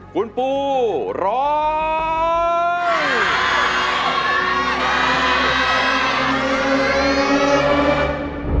คุณปูร้อง